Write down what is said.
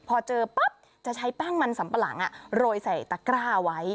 พอเจอป๊อปจะใช้ปั้งมันสัมปรังอะรวยใส่ตระกราไว้